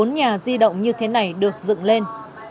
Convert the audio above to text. bốn nhà di động như thế này được dựng lên